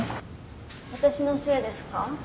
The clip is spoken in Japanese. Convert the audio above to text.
私のせいですか？